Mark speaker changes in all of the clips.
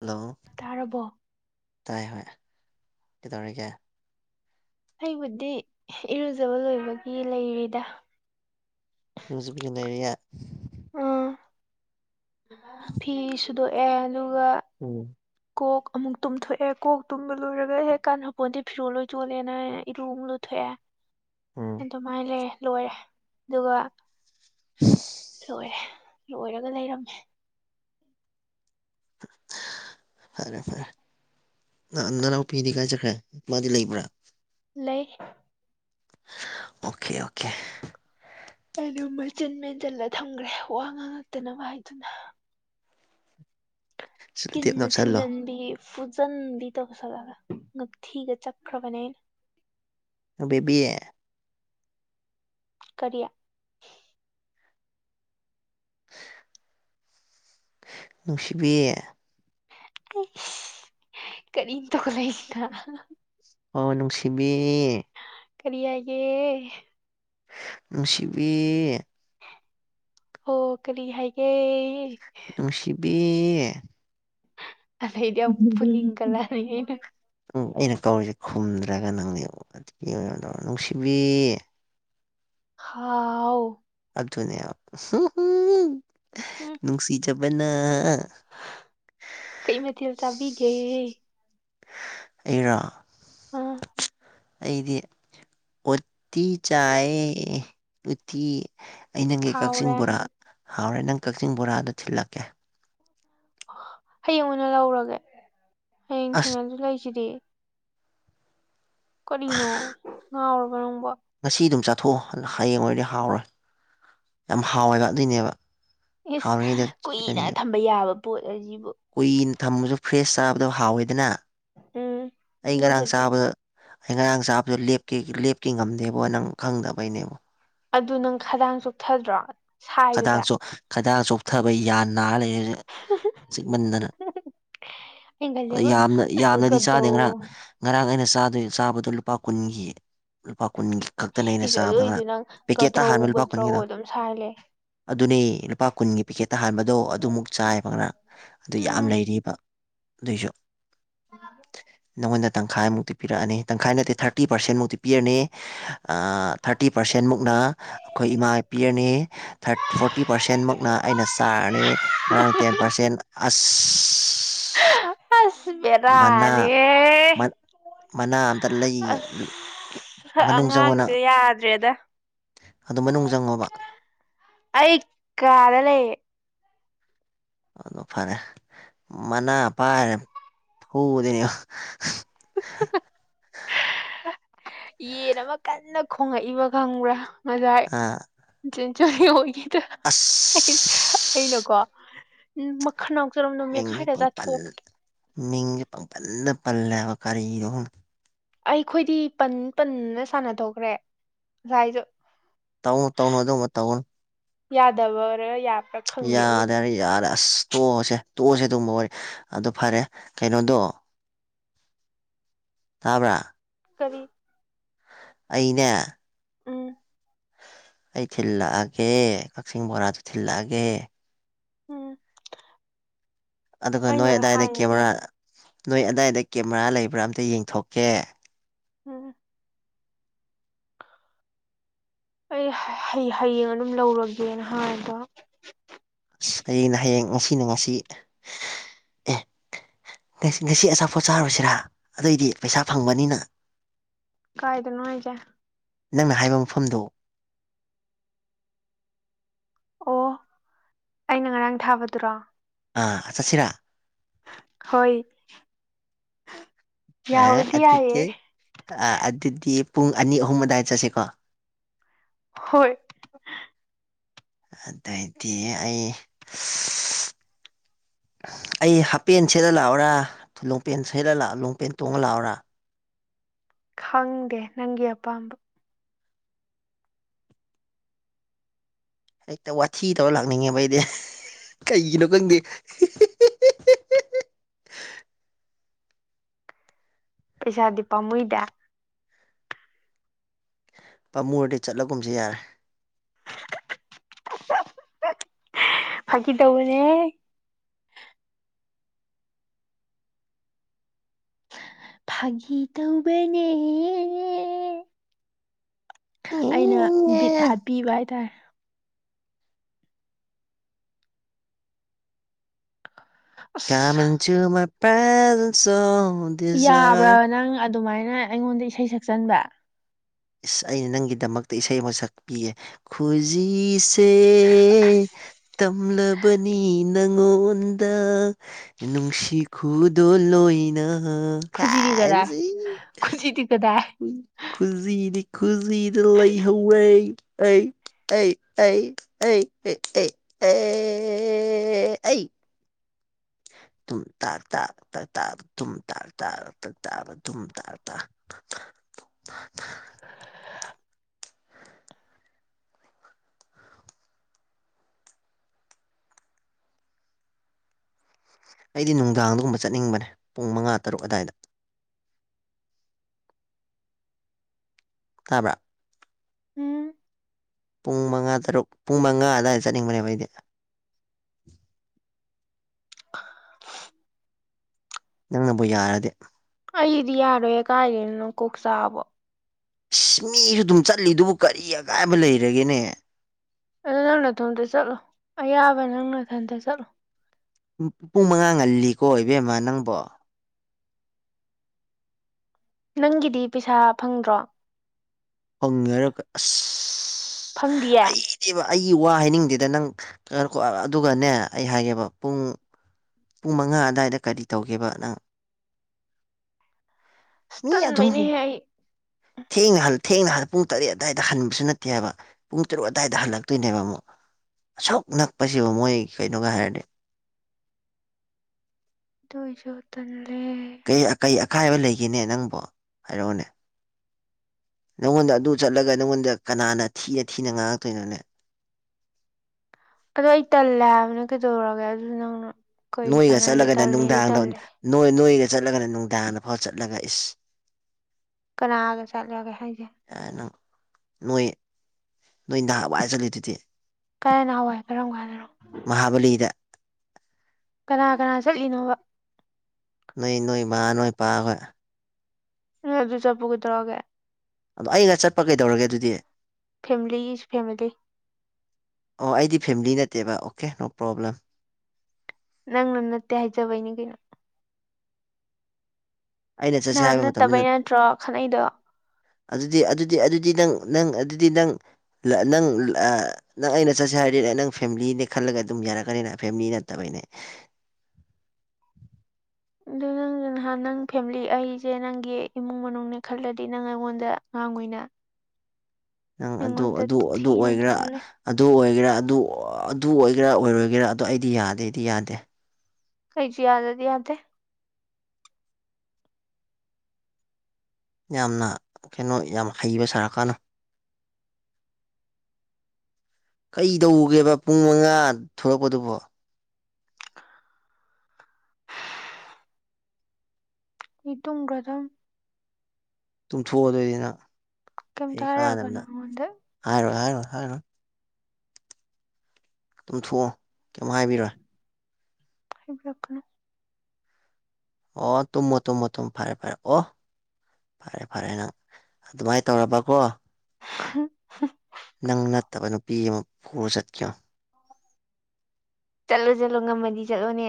Speaker 1: hello
Speaker 2: ꯇꯥꯔꯕꯣ
Speaker 1: ꯇꯥꯏ ꯍꯣꯏ ꯀꯩꯗꯧꯔꯤꯒꯦ
Speaker 2: ꯑꯩꯕꯨꯗꯤ ꯏꯔꯨꯖꯕ ꯂꯣꯏꯕꯒꯤ ꯂꯩꯔꯤꯗ
Speaker 1: ꯏꯔꯨꯖꯕꯒꯤ ꯅꯩꯔꯤꯌꯦ
Speaker 2: ꯎꯝ ꯐꯤ ꯁꯨꯗꯣꯛꯑꯦ ꯑꯗꯨꯒ
Speaker 1: ꯑꫭ
Speaker 2: ꯀꯣꯛ ꯑꯃꯨꯛ ꯇꯨꯝꯊꯣꯛꯑꯦ ꯀꯣꯛ ꯇꯨꯝꯕ ꯂꯣꯏꯔꯒ ꯍꯦ ꯀꯥꯟꯅ ꯄꯣꯟꯇꯦ ꯐꯤꯔꯣꯜ ꯂꯣꯏ ꯆꯣꯠꯂꯦꯅ ꯑꯩ ꯏꯔꯨ ꯑꯃꯨꯛ ꯂꯨ ꯊꯣꯛꯑꯦ
Speaker 1: ꯎꯝ
Speaker 2: ꯑꯗꯨꯃꯥꯏꯟ ꯂꯩꯔꯦ ꯂꯣꯏꯔꯦ ꯑꯗꯨꯒ ꯂꯣꯏꯔꯦ ꯂꯣꯏꯔꯒ ꯂꯩꯔꯝꯃꯦ
Speaker 1: ꯐꯔꯦ ꯐꯔꯦ ꯅꯍ ꯅꯅꯥꯎꯄꯤꯗꯤ ꯀꯥꯏ ꯆꯠꯈ꯭ꯔꯦ ꯃꯥꯗꯤ ꯂꯩꯕ꯭ꯔꯥ
Speaker 2: ꯂꯩ
Speaker 1: ꯑꯣꯀꯦ ꯑꯣꯀꯦ
Speaker 2: ꯑꯩꯩꯅ ꯃꯆꯤꯟ ꯃꯦꯟꯖꯤꯟꯂ ꯊꯝꯒ꯭ꯔꯦ ꯋꯥ ꯉꯥꯡꯉꯛꯇꯅꯕ ꯍꯥꯏꯗꯨꯅ
Speaker 1: ꯁꯤꯗ ꯇꯦꯞ
Speaker 2: ꯀꯤꯟꯅ
Speaker 1: ꯅꯞꯁꯜꯂꯣ
Speaker 2: ꯊꯤꯟꯖꯟꯕꯤ ꯐꯨꯖꯟꯕꯤ ꯇꯧꯁꯂꯒ ꯉꯛꯊꯤꯒ ꯆꯞꯈ꯭ꯔꯕꯅꯦ ꯑꯩꯅ
Speaker 1: ꯕꯦꯕꯤ
Speaker 2: ꯀꯔꯤ
Speaker 1: [unintelligible] ꯅꯨꯡꯁꯤꯕꯤ
Speaker 2: ꯏꯁ ꯀꯔꯤꯅꯣ ꯇꯧꯈꯠꯂꯛꯏꯁꯤꯅ
Speaker 1: ꯑꯣ ꯅꯨꯡꯁꯤꯕꯤ
Speaker 2: ꯀꯔꯤ ꯍꯥꯏꯒꯦ
Speaker 1: ꯅꯨꯡꯁꯤꯕꯤ
Speaker 2: ꯍꯣ ꯀꯔꯤ ꯍꯥꯏꯒꯦ
Speaker 1: ꯅꯨꯡꯁꯤꯕꯤ
Speaker 2: ꯑꯩꯗꯤ ꯌꯥꯝ ꯄꯨꯅꯤꯡꯒꯠꯂꯛꯑꯅꯤ ꯑꯩꯅ
Speaker 1: ꯎꯝ ꯑꯩꯅ ꯀꯧꯔꯤꯁꯦ ꯈꯨꯝꯗ꯭ꯔꯒ ꯅꯪꯗꯤ ꯑꯗꯨꯒꯤ ꯑꯣꯏꯗ ꯅꯨꯡꯁꯤꯕꯤ
Speaker 2: ꯍꯥꯎ
Speaker 1: ꯑꯗꯨꯅꯦꯕ ꯍꯨꯝ ꯍꯨꯝ
Speaker 2: ꯎꯝ
Speaker 1: ꯅꯨꯡꯁꯤꯖꯕꯅ
Speaker 2: ꯀꯩ ꯃꯊꯦꯜ ꯆꯥꯕꯤꯒꯦ
Speaker 1: ꯑꯩꯔꯣ
Speaker 2: ꯑꯥ
Speaker 1: ꯑꯩꯗꯤ ꯎꯠꯇꯤ ꯆꯥꯏ ꯎꯇꯤ ꯑꯩ ꯅꯪꯒꯤ ꯀꯛꯆꯤꯡ
Speaker 2: ꯍꯥꯎꯔꯦ
Speaker 1: ꯕꯣꯔꯥ ꯍꯥꯎꯔꯦ ꯅꯪ ꯀꯛꯆꯤꯡ ꯕꯣꯔꯥꯗꯣ ꯊꯤꯜꯂꯛꯀꯦ
Speaker 2: ꯍꯌꯦꯡ ꯑꯣꯏꯅ ꯂꯧꯔꯒꯦ ꯍꯌꯦꯡ
Speaker 1: ꯑꯁ
Speaker 2: ꯊꯦꯡꯅꯗꯧ ꯂꯩꯁꯤꯗꯤ ꯀꯔꯤꯅꯣ ꯉꯥꯎꯔꯕꯣ ꯅꯪꯕꯣ
Speaker 1: ꯉꯁꯤ ꯑꯗꯨꯝ ꯆꯥꯊꯣꯛꯑꯣ ꯍꯌꯦꯡ ꯑꯣꯏꯔꯗꯤ ꯍꯥꯎꯔꯣꯏ ꯌꯥꯝ ꯍꯥꯎꯋꯦꯕ ꯑꯗꯨꯏꯅꯦꯕ
Speaker 2: ꯏꯁ
Speaker 1: ꯍꯥꯎꯔꯤꯉꯩꯗ
Speaker 2: ꯀꯨꯏꯅ
Speaker 1: ꯄꯤꯖꯅꯤꯡꯉꯦꯕ
Speaker 2: ꯊꯝꯕ ꯌꯥꯕ ꯄꯣꯠ ꯑꯖꯤꯕꯨ
Speaker 1: ꯀꯨꯏꯅ ꯊꯝꯕꯁꯨ ꯐ꯭ꯔꯦꯁ ꯆꯥꯕꯗꯣ ꯍꯥꯎꯋꯦꯗꯅ
Speaker 2: ꯎꯝ
Speaker 1: ꯑꯩ ꯉꯔꯥꯡ
Speaker 2: ꯑꯗꯨꯕꯨꯗꯤ
Speaker 1: ꯆꯥꯕꯗ ꯑꯩ ꯉꯔꯥꯡ ꯆꯥꯕꯗꯣ ꯂꯦꯞꯀꯦ ꯂꯦꯞꯀꯦ ꯉꯝꯗꯦꯕꯣ ꯅꯪ ꯈꯪꯗꯕꯩꯅꯦꯕꯣ
Speaker 2: ꯑꯗꯨ ꯅꯪ ꯈꯗꯥꯡ ꯆꯣꯛꯊꯗ꯭ꯔꯣ
Speaker 1: ꯈꯗꯥꯡ
Speaker 2: ꯁꯥꯏꯕꯗ
Speaker 1: ꯆꯣꯛ ꯈꯗꯥꯡ ꯆꯣꯛꯊꯕꯒꯤ ꯌꯥ ꯅꯥꯔ ꯂꯩꯔꯦ ꯍꯧꯖꯤꯛ ꯆꯤꯛꯃꯟꯗꯅ
Speaker 2: ꯑꯩꯅ
Speaker 1: ꯑꯥ
Speaker 2: ꯈꯜꯂꯦꯕ
Speaker 1: ꯌꯥꯝꯅ ꯌꯥꯝꯅꯗꯤ ꯆꯥꯗꯦ
Speaker 2: ꯒꯗ꯭ꯔꯧ
Speaker 1: ꯉꯔꯥꯡ ꯉꯔꯥꯡ ꯑꯩꯅ ꯆꯥꯗꯣꯏ ꯆꯥꯕꯗꯣ ꯂꯨꯄꯥ ꯀꯨꯟꯒꯤ ꯂꯨꯄꯥ ꯀꯨꯟꯒꯤ ꯈꯛꯇꯅꯦ ꯑꯩꯅ
Speaker 2: ꯏꯁ ꯑꯗꯨ
Speaker 1: ꯆꯥꯕꯗꯣ
Speaker 2: ꯑꯣꯏꯁꯨ
Speaker 1: ꯉꯥꯔꯥꯡ
Speaker 2: ꯅꯪ
Speaker 1: ꯄꯦꯀꯦꯠꯇ
Speaker 2: ꯒꯗ꯭ꯔꯧ
Speaker 1: ꯍꯥꯟꯕ ꯂꯨꯄꯥ
Speaker 2: ꯒꯗ꯭ꯔꯧ
Speaker 1: ꯀꯨꯟꯒꯤꯗꯣ
Speaker 2: ꯑꯗꯨꯝ ꯁꯥꯏ ꯂꯦ
Speaker 1: ꯑꯗꯨꯅꯦ ꯂꯨꯄꯥ ꯀꯨꯟꯒꯤ ꯄꯤꯀꯦꯠꯇ ꯍꯥꯟꯕꯗꯣ ꯑꯗꯨꯃꯨꯛ ꯆꯥꯏꯕ ꯉꯔꯥꯡ ꯑꯗꯨ ꯌꯥꯝ
Speaker 2: ꯎꯝ
Speaker 1: ꯂꯩꯔꯤꯕ ꯑꯗꯨꯢꯁꯨ
Speaker 2: [inaudible]
Speaker 1: ꯅꯪꯉꯣꯟꯗ ꯇꯪꯈꯥꯏꯃꯨꯛꯇꯤ ꯄꯤꯔꯛꯑꯅꯤ ꯇꯪꯈꯥꯏ ꯅꯠꯇꯦ ꯊꯥꯔꯇꯤ ꯄꯥꯔꯁꯦꯟꯃꯨꯛꯇꯤ ꯄꯤꯔꯅꯤ ꯑꯥ ꯊꯥꯔꯇꯤ ꯄꯥꯔꯁꯦꯟ ꯃꯨꯛꯅ ꯑꯩꯈꯣꯏ ꯏꯃꯥ ꯄꯤꯔꯅꯤ ꯊꯥꯔ ꯐꯣꯔꯇꯤ ꯄꯥꯔꯁꯦꯟ ꯃꯨꯛꯅ ꯑꯩꯅ ꯆꯥꯔꯅꯤ ꯉꯔꯥꯡ ꯇꯦꯟ ꯄꯥꯔꯁꯦꯟ ꯑꯁ
Speaker 2: [unintelligible] ꯑꯁ
Speaker 1: ꯃꯅꯥ
Speaker 2: ꯕꯦꯔꯥꯅꯤꯍꯦ
Speaker 1: ꯃꯅꯥ ꯑꯝꯇ ꯂꯩ
Speaker 2: ꯑꯁ
Speaker 1: ꯃꯅꯨꯡ ꯆꯪꯉꯣ ꯅꯪ
Speaker 2: ꯑꯉꯥꯡꯁꯦ ꯌꯥꯗ꯭ꯔꯦꯗ
Speaker 1: ꯑꯗꯨ ꯃꯅꯨꯡ ꯆꯪꯉꯣꯕ
Speaker 2: ꯑꯩ ꯀꯥꯗ ꯂꯩꯌꯦ
Speaker 1: ꯑꯗꯨ ꯐꯔꯦ ꯃꯅꯥ ꯄꯥꯏꯔ ꯍꯐꯨꯕꯗꯤ ꯌꯦꯡꯉꯣ
Speaker 2: [unintelligible] ꯌꯦꯟ ꯑꯃ ꯀꯟꯅ ꯈꯣꯡꯉꯛꯏꯕ ꯈꯪꯕ꯭ꯔꯥ ꯉꯥꯖꯥꯏ
Speaker 1: ꯑꯥ
Speaker 2: ꯆꯦꯟꯖꯣꯏ ꯍꯣꯏꯒꯤꯗ [unintelligible]
Speaker 1: ꯑꯁ
Speaker 2: ꯑꯩꯅꯀꯣ ꯃꯈꯅꯥꯎ ꯆꯔꯝꯗꯣ ꯃꯦꯠ ꯈꯥꯏꯔ ꯆꯥꯊꯣꯛꯑꯣ
Speaker 1: ꯃꯤꯡꯖꯦ ꯄꯪꯄꯟꯗ ꯄꯜꯂꯦꯕ ꯍꯥꯏꯕ ꯀꯔꯤꯅꯣ ꯈꯪ
Speaker 2: ꯑꯩꯈꯣꯏꯗꯤ ꯄꯟ ꯄꯟꯅ ꯁꯥꯟꯅꯊꯣꯛꯈ꯭ꯔꯦ ꯉꯁꯥꯏꯁꯨ
Speaker 1: ꯇꯧꯅꯨ ꯇꯧꯅꯨ ꯑꯗꯨꯒꯨꯝꯕ ꯇꯧꯅꯨ
Speaker 2: ꯌꯥꯗꯕꯔ ꯑꯣꯏꯔꯦ [unintelligible]
Speaker 1: ꯌꯥꯔꯦ ꯌꯥꯔꯦ ꯑꯁ ꯇꯣꯛꯑꯣꯁꯦ ꯇꯣꯛꯑꯣꯁꯦ ꯑꯗꯨꯒꯨꯝꯕ ꯋꯥꯔꯤ ꯑꯗꯣ ꯐꯔꯦ ꯀꯩꯅꯣꯗꯣ ꯇꯥꯕ꯭ꯔꯥ
Speaker 2: ꯀꯔꯤ
Speaker 1: ꯑꯩꯅꯦ
Speaker 2: ꯎꯝ
Speaker 1: ꯑꯩ ꯊꯤꯜꯂꯛꯑꯒꯦ ꯀꯛꯆꯤꯡ ꯕꯣꯔꯥꯗꯨ ꯊꯤꯜꯂꯛꯑꯒꯦ
Speaker 2: ꯎꯝ
Speaker 1: ꯑꯗꯨꯒ ꯅꯣꯏ
Speaker 2: ꯑꯩꯅ
Speaker 1: ꯑꯗꯥꯏꯗ
Speaker 2: ꯍꯥꯏꯅꯅꯦ
Speaker 1: ꯀꯦꯃꯦꯔꯥ ꯅꯣꯏ ꯑꯗꯥꯏꯗ ꯀꯦꯃꯦꯔꯥ ꯂꯩꯕ꯭ꯔꯥ ꯑꯝꯇ ꯌꯦꯡꯊꯣꯛꯀꯦ
Speaker 2: ꯎꯝ ꯑꯩ ꯍ ꯍꯌꯦ ꯍꯌꯦꯡ ꯑꯗꯨꯝ ꯂꯧꯔꯒꯦꯅ ꯍꯥꯏꯕ
Speaker 1: ꯑꯁ ꯍꯌꯦꯡꯅ ꯍꯌꯦꯡ ꯉꯁꯤꯅ ꯉꯁꯤ ꯑꯦ ꯑꯦꯁ ꯉꯁꯤ ꯑꯆꯥꯄꯣꯠ ꯆꯥꯔꯨꯁꯤꯔꯥ ꯑꯗꯨꯑꯣꯏꯗꯤ ꯄꯩꯁꯥ ꯐꯪꯕꯅꯤꯅ
Speaker 2: ꯀꯥꯏꯗꯅꯣ ꯂꯩꯖꯦ
Speaker 1: ꯅꯪꯅ ꯍꯥꯏꯕ ꯃꯐꯝꯗꯣ
Speaker 2: ꯑꯣ ꯑꯩꯅ ꯉꯔꯥꯡ ꯊꯥꯕꯗꯨꯔꯣ
Speaker 1: ꯑꯥ ꯆꯠꯁꯤꯔꯥ
Speaker 2: ꯍꯣꯏ
Speaker 1: ꯑꯦ
Speaker 2: ꯌꯥꯕꯨꯗꯤ ꯌꯥꯏꯑꯦ
Speaker 1: ꯑꯗꯨꯗꯤ ꯑꯥ ꯑꯗꯨꯗꯤ ꯄꯨꯡ ꯑꯅꯤ ꯑꯍꯨꯝ ꯑꯗꯋꯥꯏꯗ ꯆꯠꯁꯤꯀꯣ
Speaker 2: ꯍꯣꯏ
Speaker 1: ꯑꯗꯩꯗꯤ ꯑꯩ ꯑꯩ ꯍꯥꯞꯄꯦꯟ ꯁꯦꯠꯂ ꯂꯥꯛꯑꯣꯔꯥ ꯂꯣꯡꯄꯦꯟ ꯁꯦꯠꯂ ꯂꯥꯛꯑꯣ ꯂꯣꯡꯄꯦꯟ ꯇꯣꯡꯉ ꯂꯥꯛꯑꯣꯔꯥ
Speaker 2: ꯈꯪꯗꯦ ꯅꯪꯒꯤ ꯑꯄꯥꯝꯕ
Speaker 1: ꯍꯦꯛꯇ ꯋꯥꯊꯤ ꯇꯧꯔ ꯂꯥꯛꯅꯤꯡꯉꯦꯕ ꯑꯩꯗꯤ ꯀꯩꯒꯤꯅꯣ ꯈꯪꯗꯦ
Speaker 2: ꯄꯩꯁꯥꯗꯤ ꯄꯥꯥꯝꯃꯨꯏꯗ
Speaker 1: ꯄꯕꯃꯨꯔꯗꯤ ꯆꯠꯂꯒꯨꯝꯁꯤ ꯌꯥꯔꯦ
Speaker 2: [unintelligible] ꯐꯥꯀꯤ ꯇꯧꯕꯅꯤꯍꯦ ꯐꯥꯒꯤ ꯇꯧꯕꯅꯦ ꯑꯩꯅ ꯕꯤꯠ ꯍꯥꯠꯄꯤꯕ ꯍꯥꯏꯇꯥꯔꯦ ꯑꯁ
Speaker 1: [unintelligible]
Speaker 2: ꯌꯥꯕ꯭ꯔꯥ ꯅꯪ ꯑꯗꯨꯃꯥꯏꯅ ꯑꯩꯉꯣꯟꯗ ꯏꯁꯩ ꯁꯛꯆꯟꯕ
Speaker 1: ꯑꯩꯅ ꯅꯪꯒꯤꯗꯃꯛꯇ ꯏꯁꯩ ꯑꯃ ꯁꯛꯄꯤꯒꯦ ꯈꯨꯖꯤꯁꯦ
Speaker 2: ꯑꯁ
Speaker 1: ꯇꯝꯂꯕꯅꯤ ꯅꯪꯉꯣꯟꯗ ꯅꯨꯡꯁꯤ ꯈꯨꯗꯣꯜ ꯑꯣꯏꯅ
Speaker 2: ꯈꯨꯖꯤꯗꯤ ꯀꯗꯥꯏ ꯈꯨꯖꯤꯗꯤ ꯀꯗꯥꯏ
Speaker 1: ꯎꯝ ꯈꯨꯖꯤꯗꯤ ꯈꯨꯖꯤꯗꯤ ꯂꯩꯍꯧꯋꯦ ꯑꯩ ꯑꯩ ꯑꯩ ꯑꯩ ꯑꯦ ꯑꯦ ꯑꯦ ꯑꯩ ꯇꯨꯝ ꯇꯥꯛ ꯇꯥꯛ ꯇꯥ ꯇꯥꯛ ꯇꯨꯝ ꯇꯥꯛ ꯇꯥꯛ ꯇꯥꯛ ꯇꯥꯛ ꯇꯨꯝ ꯇꯥꯛ ꯇꯥꯛ ꯇꯥ ꯇꯥꯛ
Speaker 2: [inaudible]
Speaker 1: ꯑꯩꯗꯤ ꯅꯨꯡꯗꯥꯡꯗꯒꯨꯝꯕ ꯆꯠꯅꯤꯡꯕꯅꯦ ꯄꯨꯡ ꯃꯉꯥ ꯇꯔꯨꯛ ꯑꯗꯥꯏꯗ ꯇꯥꯕ꯭ꯔꯥ
Speaker 2: ꯎꯝ
Speaker 1: ꯄꯨꯡ ꯃꯉꯥ ꯇꯔꯨꯛ ꯄꯨꯡ ꯃꯉꯥ ꯑꯗꯥꯏ ꯆꯠꯅꯤꯡꯕꯅꯦꯕ ꯑꯩꯗꯤ
Speaker 2: [unintelligible]
Speaker 1: ꯅꯪꯅꯕꯨ ꯌꯥꯔꯥꯗꯤ
Speaker 2: ꯑꯩꯗꯤ ꯌꯥꯔ‌ꯣꯏꯌ‌ꯦ ꯀꯥꯏꯗꯩꯅꯣ ꯅꯀꯣꯛ ꯆꯥꯑꯕ‌ꯣ
Speaker 1: ꯏꯁ ꯃꯤꯁꯨ ꯑꯗꯨꯝ ꯆꯠꯂꯤꯗꯨꯕꯨ ꯀꯔꯤ ꯑꯀꯥꯏꯕ ꯂꯩꯔꯒꯦꯅꯦ
Speaker 2: ꯑꯗ‌ꯣ ꯅꯪ ꯅꯇꯣꯝꯗ ꯆꯠꯂꯣ ꯑꯌꯥꯕ ꯅꯪ ꯅꯊꯟꯇ ꯆꯠꯂ‌ꯣ
Speaker 1: ꯎ ꯄꯨꯡ ꯃꯉꯥ ꯉꯜꯂꯤꯀꯣ ꯏꯕꯦꯝꯃ ꯅꯪꯕꯣ
Speaker 2: ꯅꯪꯒꯤꯗꯤ ꯄꯩꯁꯥ ꯐꯪꯗ꯭ꯔꯣ
Speaker 1: ꯍꯧꯅꯔꯒ ꯑꯁ
Speaker 2: ꯐꯪꯗꯤꯌꯦ
Speaker 1: ꯑꯩ ꯗꯤꯕ ꯑꯩꯒꯤ ꯋꯥ ꯍꯥꯏꯅꯤꯡꯗꯦꯗ ꯅꯪ [unintelligible] ꯑꯗꯨꯒꯅꯦ ꯑꯩ ꯍꯥꯏꯒꯦꯕ ꯄꯨꯡ ꯄꯨꯡ ꯃꯉꯥ ꯑꯗꯥꯏꯗ ꯀꯔꯤ ꯇꯧꯒꯦꯕ ꯅꯪ
Speaker 2: ꯑꯁ
Speaker 1: ꯃꯤ
Speaker 2: ꯇꯟꯕꯩ
Speaker 1: ꯑꯗꯨꯝ
Speaker 2: ꯅꯦꯍꯦ ꯑꯩ
Speaker 1: ꯊꯦꯡꯅ ꯍꯜ ꯊꯦꯡꯅ ꯍꯜ ꯄꯨꯡ ꯇꯔꯦꯠ ꯑꯗꯥꯏꯗ ꯍꯟꯕꯁꯨ ꯅꯠꯇꯦ ꯍꯥꯏꯕ ꯄꯨꯡ ꯇꯔꯨꯛ ꯑꯗꯥꯏꯗ ꯍꯜꯂꯛꯇꯣꯏꯅꯦꯕ ꯑꯃꯨꯛ ꯑꯁꯨꯛ ꯅꯛꯄꯁꯤꯕꯨ ꯃꯣꯏ ꯀꯩꯅꯣꯒ ꯍꯥꯏꯔꯗꯤ
Speaker 2: ꯑꯗꯨ ꯑꯣꯏꯖꯨ ꯇꯜꯂꯦ
Speaker 1: ꯑꯦ ꯀꯩ ꯑꯀꯥꯏꯕ ꯂꯩꯒꯦꯅꯦ ꯅꯪꯕꯣ ꯍꯥꯏꯔ‌ꯣꯑꯣꯅꯦ ꯅꯪꯉꯣꯟꯗ ꯑꯗꯨ ꯆꯠꯂꯒ ꯅꯪꯉꯣꯟꯗ ꯀꯅꯥꯅ ꯊꯤꯅ ꯊꯤꯅ ꯉꯥꯡꯉꯛꯇꯣꯏꯅꯣꯅꯦ
Speaker 2: ꯑꯗꯣ ꯑꯩ ꯇꯜꯂꯦ ꯍꯥꯏꯕꯅ‌ꯦ ꯀꯩꯗꯧꯔꯒꯦ ꯑꯗꯨ ꯅꯪꯅ ꯀꯩ
Speaker 1: ꯅꯣꯏꯒ
Speaker 2: ꯆꯥꯟꯅꯔꯤꯒꯦ
Speaker 1: ꯆꯠꯂꯒꯅ
Speaker 2: ꯇꯜꯂꯦꯗꯤ
Speaker 1: ꯅꯨꯡꯗꯥꯡꯗ
Speaker 2: ꯇꯜꯂꯦ
Speaker 1: ꯅꯣꯏ ꯅꯣꯏꯒ ꯆꯠꯂꯒꯅ ꯅꯨꯡꯗꯥꯡꯗ ꯐꯥꯎ ꯆꯠꯂꯒ ꯏꯁ
Speaker 2: ꯀꯅꯥꯒ ꯆꯠꯂꯒꯦ ꯍꯥꯏꯖꯦ
Speaker 1: ꯌꯥꯔꯦ ꯅꯪ ꯅꯣꯏ ꯅꯣꯏ ꯅꯍꯥꯟꯋꯥꯏ ꯆꯠꯂꯤ ꯗꯨꯗꯤ
Speaker 2: ꯀꯥꯏ ꯅꯍꯥꯋꯥꯏ ꯀꯔꯝꯀꯥꯟ ꯍꯥꯏ [unintelligible]
Speaker 1: ꯃꯍꯥꯕꯂꯤꯗ
Speaker 2: ꯀꯅꯥ ꯀꯅꯥ ꯆꯠꯂꯤꯅꯣꯕ
Speaker 1: ꯅꯣꯏ ꯅꯣꯏ ꯃꯥ ꯅꯣꯏ ꯄꯥꯍ‌ꯣꯏ
Speaker 2: ꯑꯦ ꯑꯗꯨ ꯆꯠꯄꯨ ꯀꯩꯗꯧꯔꯒꯦ
Speaker 1: ꯑꯗꯣ ꯑꯩꯒ ꯆꯠꯄ ꯀꯩꯗꯧꯔꯒꯦ ꯑꯗꯨꯗꯤ
Speaker 2: ꯐꯦꯃꯤꯂꯤ ꯏꯁ ꯐꯦꯃꯤꯂꯤ
Speaker 1: ꯑꯣ ꯑꯩꯗꯤ ꯐꯦꯃꯤꯂꯤ ꯅꯠꯇꯦꯕ ꯑꯣꯀꯦ ꯅꯣ ꯄ꯭ꯔꯣꯕ꯭ꯂꯦꯝ
Speaker 2: ꯅꯪꯅ ꯅꯠꯇꯦ ꯍꯥꯏꯖꯕꯩꯅꯤ ꯀꯩꯅꯣ
Speaker 1: ꯑꯩꯅ ꯆꯠꯁꯦ
Speaker 2: ꯅꯍꯥꯟ
Speaker 1: ꯍꯥꯏꯕ ꯃꯇꯝꯗꯅ
Speaker 2: ꯅꯠꯇꯕꯩ ꯅꯠꯇ꯭ꯔꯣ ꯈꯠꯅꯩꯗꯣ
Speaker 1: ꯑꯗꯨꯗꯤ ꯑꯗꯨꯗꯤ ꯑꯗꯨꯗꯤ ꯅꯪ ꯅꯪ ꯑꯗꯨꯗꯤ ꯅꯪ ꯂ ꯅꯪ ꯑꯥ ꯅꯪ ꯑꯩꯅ ꯆꯠꯁꯦ ꯍꯥꯏꯔꯗꯤ ꯅꯪ ꯐꯦꯃꯤꯂꯤꯅꯦ ꯈꯜꯂꯒ ꯑꯗꯨꯝ ꯌꯥꯔꯛꯀꯅꯤꯅ ꯐꯦꯃꯤꯂꯤ ꯅꯠꯇꯕꯩꯅꯦ
Speaker 2: ꯑꯗꯨ ꯅꯪ ꯅꯍꯥꯟ ꯅꯪ ꯐꯦꯃꯤꯂꯤ ꯑꯩꯖꯦ ꯅꯪꯒꯤ ꯏꯃꯨꯡ ꯃꯅꯨꯡꯅꯦ ꯈꯜꯂꯗꯤ ꯅꯪ ꯑꯩꯉꯣꯟꯗ ꯉꯥꯡꯉꯣꯏꯅ
Speaker 1: ꯅꯪ ꯑꯗꯨ
Speaker 2: ꯑꯩꯉꯣꯟꯗ
Speaker 1: ꯑꯗꯨ ꯑꯗꯨ
Speaker 2: ꯊꯤꯅ
Speaker 1: ꯑꯣꯏꯒ‌ꯦꯔꯥ
Speaker 2: ꯇꯧꯍꯜꯂꯦ
Speaker 1: ꯑꯗꯨ ꯑꯣꯏꯒꯦꯔꯥ ꯑꯗꯨ ꯑꯗꯨ ꯑꯣꯏꯒꯦꯔꯥ ꯑꯣꯏꯔꯣꯏꯒꯦꯔꯥ ꯑꯗꯣ ꯑꯩꯗꯤ ꯌꯥꯗꯦꯗꯤ ꯌꯥꯗꯦ
Speaker 2: ꯑꯩꯩꯖꯨ ꯌꯥꯗ꯭ꯔꯥꯗꯤ ꯌꯥꯗ꯭ꯔꯦ
Speaker 1: ꯌꯥꯝꯅ ꯀꯩꯅꯣ ꯌꯥꯝ ꯍꯩꯕ ꯁꯥꯔꯛꯀꯅꯣ ꯀꯩꯗꯧꯒꯦꯕ ꯄꯨꯡ ꯃꯉꯥ ꯊꯣꯂꯛꯄꯗꯨꯕꯣ
Speaker 2: ꯑꯩ ꯇꯨꯝꯒ꯭ꯔꯥ ꯗꯝ
Speaker 1: ꯇꯨꯝꯊꯣꯛꯑꯣ ꯑꯗꯨꯗꯤ ꯅꯪ
Speaker 2: ꯀꯩꯝꯇ
Speaker 1: ꯀꯩ
Speaker 2: ꯍꯥꯏꯔꯛꯑꯒꯅꯨ
Speaker 1: ꯀꯥꯟꯅꯕꯗ
Speaker 2: ꯑꯩꯉꯣꯟꯗ
Speaker 1: ꯍꯥꯏꯔꯣꯏ ꯍꯥꯏꯔꯣꯏ ꯍꯥꯏꯔꯣꯏ ꯇꯨꯝꯊꯣꯛꯑꯣ ꯀꯩꯝ ꯍꯥꯏꯕꯤꯔꯣꯏ
Speaker 2: [unintelligible]
Speaker 1: ꯑꯣ ꯇꯨꯝꯃꯣ ꯇꯨꯝꯃꯣ ꯇꯨꯝ ꯐꯔꯦ ꯐꯔꯦ ꯑꯣ ꯐꯔꯦ ꯐꯔꯦ ꯅꯪ ꯑꯗꯨꯃꯥꯏꯅ ꯇꯧꯔꯕꯀꯣ
Speaker 2: [unintelligible]
Speaker 1: ꯅꯪ ꯅꯠꯇꯕ ꯅꯨꯄꯤ ꯑꯃ ꯄꯨꯔ ꯆꯠꯀꯦ ꯌꯦꯡꯉꯣ
Speaker 2: ꯆꯠꯂꯣ ꯆꯠꯂꯣ ꯉꯝꯃꯗꯤ ꯆꯠꯂꯣꯅꯦ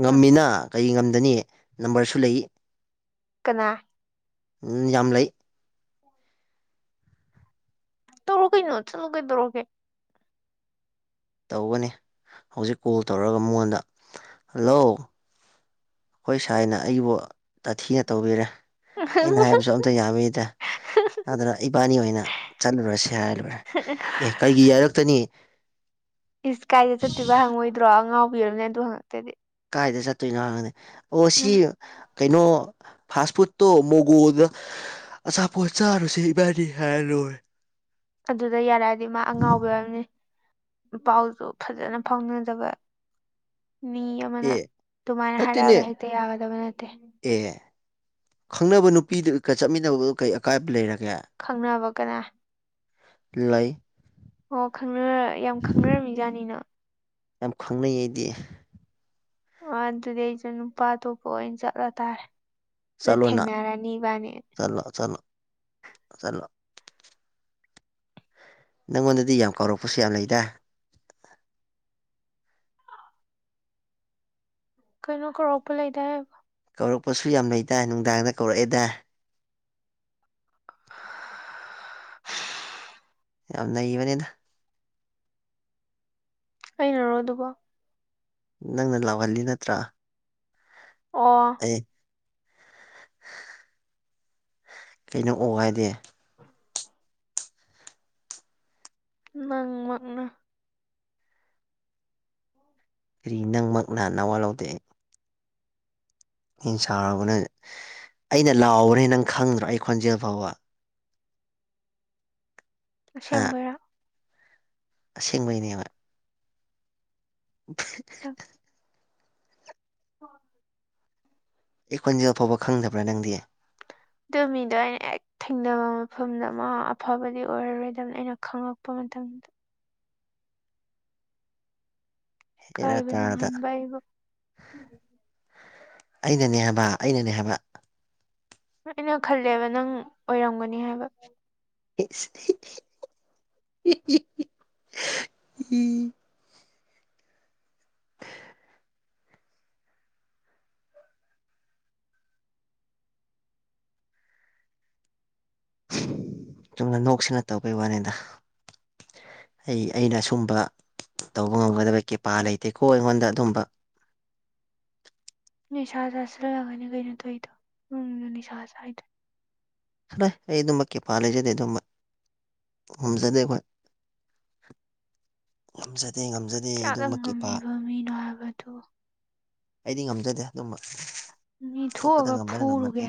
Speaker 1: ꯉꯝꯃꯤꯅ ꯀꯔꯤ ꯉꯝꯗꯅꯤ ꯅꯝꯕꯔꯁꯨ ꯂꯩ
Speaker 2: ꯀꯅꯥ
Speaker 1: ꯎꯝ ꯌꯥꯝ ꯂꯩ
Speaker 2: ꯇꯧꯔꯣ ꯀꯩꯅꯣ ꯆꯠꯂꯣ ꯀꯩꯗꯧꯔꯒꯦ
Speaker 1: ꯇꯧꯒꯅꯤ ꯍꯧꯖꯤꯛ ꯀꯣꯜ ꯇꯧꯔꯒ ꯃꯉꯣꯟꯗ ꯍꯜꯂꯣ ꯑꯈꯣꯏ ꯁꯥꯏꯅ ꯑꯩꯕꯨ ꯇꯥꯊꯤꯅ ꯇꯧꯕꯤꯔꯦ ꯑꯩꯅ ꯍꯥꯏꯕꯁꯨ ꯑꯝꯇ ꯌꯥꯕꯤꯗꯦ ꯑꯗꯨꯅ ꯏꯕꯥꯅꯤ ꯑꯣꯏꯅ ꯆꯠꯂꯨꯔꯁꯤ ꯍꯥꯏꯔꯥ ꯂꯣꯏꯔꯦ ꯑꯦ ꯀꯩꯒꯤ ꯌꯥꯔꯛ ꯇꯅꯤ
Speaker 2: ꯏꯁ ꯀꯥꯏꯗ ꯆꯠꯇꯣꯏꯕ ꯍꯪꯉꯛꯑꯣꯏꯗ꯭ꯔꯣ ꯑꯉꯥꯎꯕꯤ ꯑꯣꯏꯔꯝꯅꯤ ꯑꯗꯨ ꯍꯪꯉꯛꯇ꯭ꯔꯥꯗꯤ
Speaker 1: ꯀꯥꯏꯗ ꯆꯠꯇꯣꯏꯅꯣ ꯍꯪꯉꯛꯑꯗꯤ ꯑꯣ ꯁꯤ
Speaker 2: ꯎꯝ
Speaker 1: ꯀꯩꯅꯣ ꯐꯥꯁ ꯐꯨꯠꯇꯣ ꯃꯣꯒꯣꯗ ꯑꯆꯥꯄꯣꯠ ꯆꯥꯔꯨꯁꯦ ꯏꯕꯅꯤ ꯍꯥꯏꯔ ꯂꯣꯏꯔꯦ
Speaker 2: ꯑꯗꯨꯗ ꯌꯥꯔꯛꯑꯗꯤ ꯃꯥ ꯑꯉꯥꯎꯕꯤ ꯑꯣꯏꯔꯝꯅꯤ ꯄꯥꯎꯖꯨ ꯐꯖꯅ ꯐꯥꯎꯅꯗꯕ ꯃꯤ ꯑꯃꯅ
Speaker 1: ꯑꯦ
Speaker 2: ꯑꯗꯨꯃꯥꯏꯅ ꯍꯥꯏꯔꯛꯑꯒ
Speaker 1: ꯅꯠꯇꯦꯅꯦ
Speaker 2: ꯍꯦꯛꯇ ꯌꯥꯒꯗꯕ ꯅꯠꯇꯦ
Speaker 1: ꯑꯦ ꯈꯪꯅꯕ ꯅꯨꯄꯤꯗꯒ ꯆꯠꯃꯤꯟꯅꯕ ꯀꯩ ꯑꯀꯥꯏꯕ ꯂꯩꯔꯒꯦ
Speaker 2: ꯈꯪꯅꯕ ꯀꯅꯥ
Speaker 1: ꯂꯩ
Speaker 2: ꯑꯣ ꯈꯪꯅ ꯌꯥꯝ ꯈꯪꯅꯔꯝꯃꯤ ꯖꯥꯠꯅꯤꯅ
Speaker 1: ꯌꯥꯝ ꯈꯪꯅꯩ ꯑꯩꯗꯤ
Speaker 2: ꯑꯣ ꯑꯗꯨꯗꯤ ꯑꯩꯖꯨ ꯅꯨꯄꯥ ꯑꯇꯣꯞꯄ ꯑꯣꯏꯅ ꯆꯠꯂꯨ ꯇꯥꯔꯦ ꯑꯗꯨ
Speaker 1: ꯆꯠꯂꯣꯅ
Speaker 2: ꯊꯦꯡꯅꯔꯅꯤ ꯏꯕꯥꯅꯤ
Speaker 1: ꯆꯠꯂꯣ ꯆꯠꯂꯣ ꯆꯠꯂꯣ ꯅꯪꯉꯣꯟꯗꯗꯤ ꯌꯥꯝ ꯀꯧꯔꯛꯄꯁꯨ ꯌꯥꯝ ꯂꯩꯗꯥ
Speaker 2: ꯀꯩꯅꯣ ꯀꯧꯔꯛꯄ ꯂꯩꯗ ꯍꯥꯏꯕꯨ
Speaker 1: ꯀꯧꯔꯛꯄꯁꯨ ꯌꯥꯝ ꯂꯩꯩꯗꯥꯏ ꯅꯨꯡꯗꯥꯡꯗ ꯀꯧꯔꯛꯑꯦꯗꯥꯏ ꯌꯥꯝ ꯅꯩꯕꯅꯦꯗ
Speaker 2: ꯑꯩꯅꯔꯣ ꯑꯗꯨꯕꯣ
Speaker 1: ꯅꯪꯅ ꯂꯥꯎꯍꯜꯂꯤ ꯅꯠꯇ꯭ꯔꯥ
Speaker 2: ꯑꯣ
Speaker 1: ꯑꯩ ꯀꯩꯅꯣ ꯑꯣ ꯍꯥꯏꯗꯤ
Speaker 2: ꯅꯪ ꯃꯛꯅ
Speaker 1: ꯀꯔꯤ ꯅꯪꯃꯛꯅ ꯅꯋꯥ ꯂꯧꯗꯦ ꯑꯩ ꯑꯩꯅ ꯁꯥꯎꯔꯕꯅꯦ ꯑꯩꯅ ꯂꯥꯎꯕꯅꯦ ꯅꯪ ꯈꯪꯗ꯭ꯔꯣ ꯑꯩ ꯈꯣꯟꯖꯦꯜ ꯐꯥꯎꯕ ꯍꯥ
Speaker 2: ꯑꯁꯦꯡꯕꯩꯔꯥ
Speaker 1: ꯑꯁꯦꯡꯕꯩꯅꯦꯕ [inaudible]
Speaker 2: [unintelligible] [unintelligible]
Speaker 1: ꯑꯩ ꯈꯣꯟꯖꯦꯜ ꯐꯥꯎꯕ ꯈꯪꯗꯕ꯭ꯔꯥ ꯅꯪꯗꯤ
Speaker 2: ꯑꯗꯨ ꯃꯤꯗꯣ ꯑꯩꯅ ꯍꯦꯛ ꯊꯦꯡꯅꯕ ꯃꯐꯝꯗ ꯃꯥ ꯑꯐꯕꯗꯤ ꯑꯣꯏꯔꯔꯣꯏꯗꯝꯅꯤ ꯑꯩꯅ ꯈꯪꯉꯛꯄ ꯃꯇꯝꯗ
Speaker 1: ꯍꯦꯔꯥ
Speaker 2: ꯏꯀꯥꯏꯕ
Speaker 1: ꯇꯥꯔꯗ
Speaker 2: ꯅꯪꯍꯟꯕ ꯑꯩꯕꯨ
Speaker 1: ꯑꯩꯅꯅꯦ ꯍꯥꯏꯕ ꯑꯩꯅꯅꯦ ꯍꯥꯏꯕ
Speaker 2: ꯑꯩꯅ ꯈꯜꯂꯦꯕ ꯅꯪ ꯑꯣꯏꯔꯝꯒꯅꯤ ꯍꯥꯏꯕ
Speaker 1: ꯏꯁ [unintelligible] ꯆꯨꯝꯅ ꯅꯣꯛꯁꯤꯅ ꯇꯧꯕꯩ ꯋꯥꯅꯤꯗ ꯑꯩ ꯑꯩꯅ ꯑꯁꯨꯝꯕ ꯇꯧꯕ ꯉꯝꯒꯗꯕꯩ ꯀꯦꯄꯥ ꯂꯩꯇꯦꯀꯣ ꯑꯩꯉꯣꯟꯗ ꯑꯗꯨꯝꯕ
Speaker 2: ꯅꯤꯁꯥ ꯆꯥꯁꯜꯂꯒꯅꯤ ꯀꯩꯅꯣ ꯇꯧꯏꯗꯣ [unintelligible] ꯅꯤꯁꯥꯥ ꯆꯥꯏꯗꯣ
Speaker 1: [unintelligible] ꯑꯩ ꯑꯗꯨꯝꯕ ꯀꯦꯄꯥꯥ ꯂꯩꯖꯗꯦ ꯑꯗꯨꯝꯕ ꯉꯝꯖꯗꯦ ꯑꯩꯈꯣꯏ ꯉꯝꯖꯗꯦ ꯉꯝꯖ
Speaker 2: ꯀꯌꯥꯗ ꯉꯝꯃꯤꯕ ꯃꯤꯅꯣ ꯍꯥꯏꯕ ꯑꯗꯨꯕꯨ
Speaker 1: ꯑꯩꯗꯤ ꯉꯝꯖꯗꯦ ꯑꯗꯨꯝꯕ
Speaker 2: ꯃꯤ
Speaker 1: ꯑꯇꯣꯞꯄꯗ
Speaker 2: ꯊꯣꯛꯑꯒ
Speaker 1: ꯉꯝꯕꯅ ꯉꯝꯕ
Speaker 2: ꯐꯨꯔꯨꯒꯦ